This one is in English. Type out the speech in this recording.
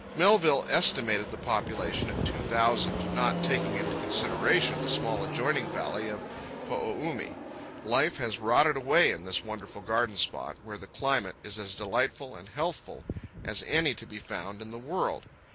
Melville estimated the population at two thousand, not taking into consideration the small adjoining valley of Ho o u mi. Life has rotted away in this wonderful garden spot, where the climate is as delightful and healthful as any to be found in the world.